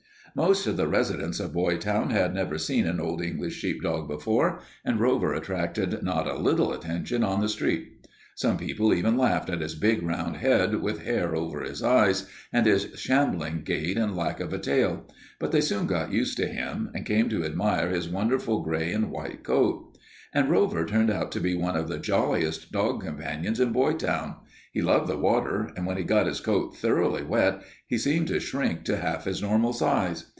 Most of the residents of Boytown had never seen an Old English sheepdog before, and Rover attracted not a little attention on the street. Some people even laughed at his big round head, with hair over his eyes, and his shambling gait and lack of a tail, but they soon got used to him and came to admire his wonderful gray and white coat. And Rover turned out to be one of the jolliest dog companions in Boytown. He loved the water, and when he got his coat thoroughly wet he seemed to shrink to half his normal size.